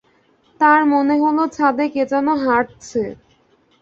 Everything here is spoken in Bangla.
তার মনে হলো ছাদে কে যেন হাঁটছে।